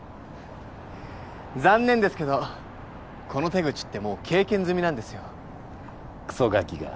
残念ですけどこの手口ってもう経験済みなんですよクソガキが。